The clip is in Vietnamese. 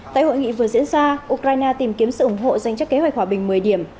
tại hội nghị vừa diễn ra ukraine tìm kiếm sự ủng hộ dành cho kế hoạch hòa bình một mươi điểm